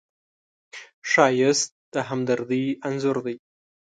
ښایست د همدردۍ انځور دی